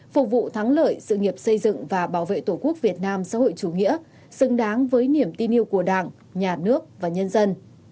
phục vụ thắng lợi sự nghiệp xây dựng và bảo vệ tổ quốc việt nam xã hội chủ nghĩa xứng đáng với niềm tin yêu của đảng nhà nước và nhân dân